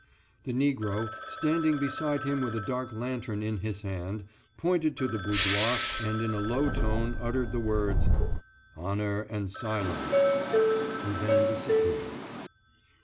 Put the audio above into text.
The Negro standing beside him with a dark lantern in his hand pointed to the boudoir and in a low tone uttered the words: "Honor and silence." He then disappeared.